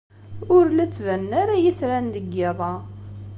Ur la ttbanen ara yitran deg yiḍ-a.